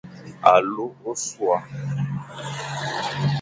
Alu ôsua.